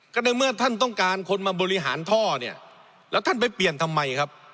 ก็ในเมื่อท่านต้องการคนมาบริหารท่อเนี่ยแล้วท่านไปเปลี่ยนทำไมครับ